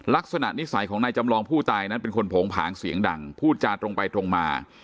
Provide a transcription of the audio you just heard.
ลักษณะนิสัยของนายจำลองผู้ตายนั้นเป็นคนโผงผางเสียงดังพูดจาตรงไปตรงมา